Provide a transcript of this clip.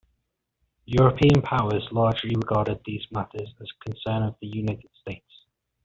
European powers largely regarded these matters as the concern of the United States.